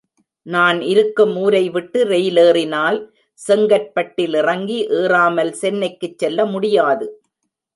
நான் இருக்கும் ஊரைவிட்டு ரெயிலேறினால் செங்கற்பட்டில் இறங்கி ஏறாமல் சென்னைக்குச் செல்ல முடியாது.